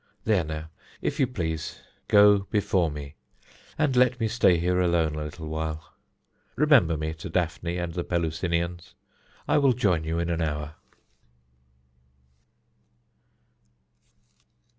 There, now, if you please, go before me, and let me stay here alone a little while. Remember me to Daphne and the Pelusinians. I will join you in an hour."